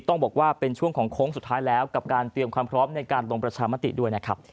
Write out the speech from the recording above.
ต้องบอกว่าเป็นช่วงของโค้งสุดท้ายแล้วกับการเตรียมความพร้อมในการลงประชามติด้วยนะครับ